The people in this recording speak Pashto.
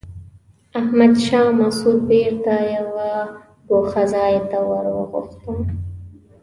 احمد شاه مسعود بېرته یوه ګوښه ځای ته ور وغوښتم.